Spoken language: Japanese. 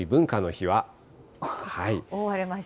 覆われました。